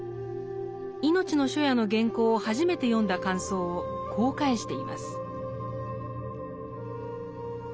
「いのちの初夜」の原稿を初めて読んだ感想をこう返しています。